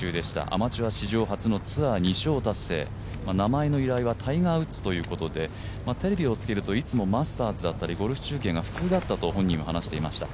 アマチュア史上初のツアー２勝達成名前の由来はタイガー・ウッズということで、テレビをつけるといつもマスターズだったりゴルフ中継が普通だったと本人は話していました。